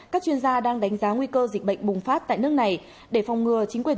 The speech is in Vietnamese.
các chuyên gia đang đánh giá nguy cơ dịch bệnh bùng phát tại nước này để phòng ngừa chính quyền